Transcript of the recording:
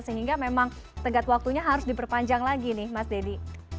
sehingga memang tegak waktunya harus diperpanjang lagi nih mas deddy